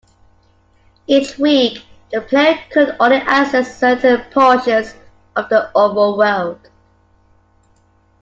Each week, the player could only access certain portions of the overworld.